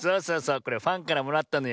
これファンからもらったのよ。